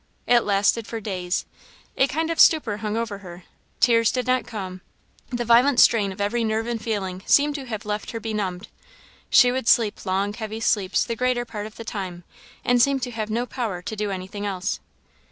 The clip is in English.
It lasted for days. A kind of stupor hung over her; tears did not come; the violent strain of every nerve and feeling seemed to have left her benumbed. She would sleep long, heavy sleeps the greater part of the time, and seemed to have no power to do anything else.